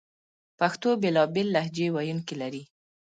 پښتو بېلابېل لهجې ویونکې لري